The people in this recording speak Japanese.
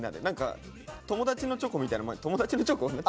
何か友達のチョコみたいな友達のチョコ？